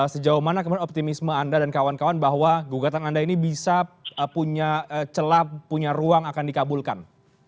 sejauh mana kemudian optimisme anda dan kawan kawan bahwa gugatan anda ini bisa punya celah punya ruang akan dikabulkan